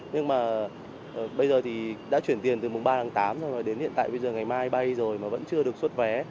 nhưng mà bây giờ thì đã chuyển tiền từ mùng ba tháng tám rồi mà đến hiện tại bây giờ ngày mai bay rồi mà vẫn chưa được xuất vé